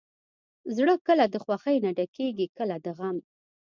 زړه کله د خوښۍ نه ډکېږي، کله د غم.